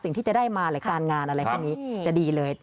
สิ่งที่จะได้มาหรือการงานอะไรพวกนี้จะดีเลย